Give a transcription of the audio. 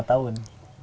lupa lima tahun